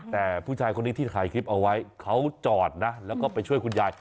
แต่ผู้ชายคนนี้ที่ถ่ายคลิปเอาไว้เขาจอดนะแล้วก็ไปช่วยคุณยาย